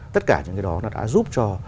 tất cả những cái đó đã giúp cho